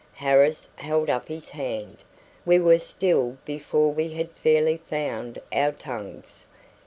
Harris held up his hand. We were still before we had fairly found our tongues.